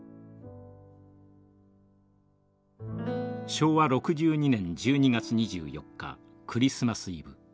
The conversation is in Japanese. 昭和６２年１２月２４日クリスマスイブ。